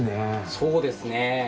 そうですね。